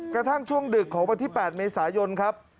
กระทั่งช่วงดึกของวันที่๘เมษายนครับ